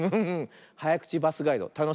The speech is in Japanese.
はやくちバスガイドたのしいね。